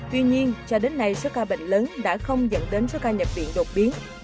tuy nhiên cho đến nay số ca bệnh lớn đã không dẫn đến số ca nhập viện đột biến